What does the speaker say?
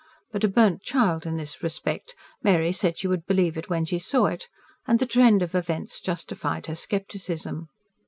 But, a burnt child in this respect, Mary said she would believe it when she saw it; and the trend of events justified her scepticism.